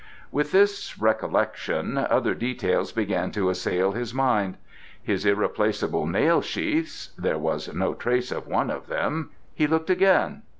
With this recollection, other details began to assail his mind. His irreplaceable nail sheaths there was no trace of one of them. He looked again.